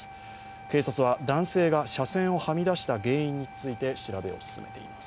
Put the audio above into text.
警察は男性が車線をはみ出した原因について調べを進めています。